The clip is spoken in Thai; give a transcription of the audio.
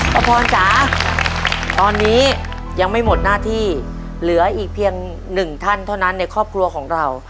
พ่อพรจ๋าตอนนี้ยังไม่หมดหน้าที่เหลืออีกเพียงหนึ่งท่านเท่านั้นในครอบครัวของเรา